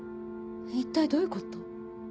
一体どういうこと？